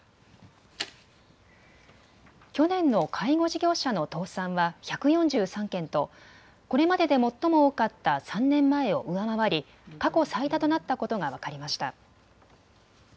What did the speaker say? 去年の介護事業者の倒産は１４３件とこれまでで最も多かった３年前を上回り過去最多となったことが分かりました。